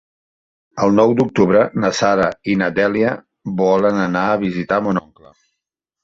El nou d'octubre na Sara i na Dèlia volen anar a visitar mon oncle.